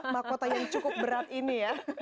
mahkota yang cukup berat ini ya